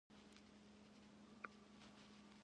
په افغانستان کې د اوبزین معدنونه لپاره طبیعي شرایط مناسب دي.